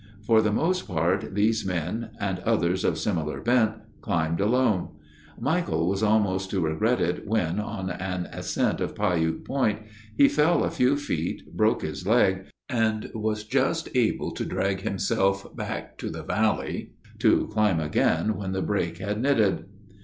For the most part these men, and others of similar bent, climbed alone. Michael was almost to regret it when, on an ascent of Piute Point, he fell a few feet, broke his leg, and was just able to drag himself back to the valley—to climb again when the break had knitted.